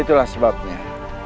itulah sebabnya informasi terbaru